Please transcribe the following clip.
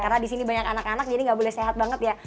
karena di sini banyak anak anak jadi nggak boleh sehat banget ya